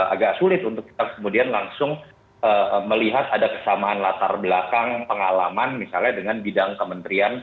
agak sulit untuk kita kemudian langsung melihat ada kesamaan latar belakang pengalaman misalnya dengan bidang kementerian